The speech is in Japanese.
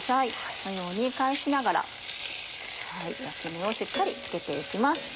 このように返しながら焼き目をしっかりつけて行きます。